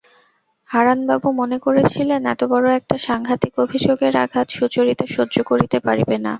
হারানবাবু মনে করেছিলেন, এতবড়ো একটা সাংঘাতিক অভিযোগের আঘাত সুচরিতা সহ্য করিতে পারিবে না।